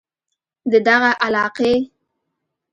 د دغه علاقې